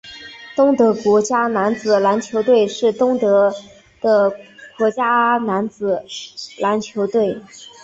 东德国家男子篮球队是东德的国家男子篮球队。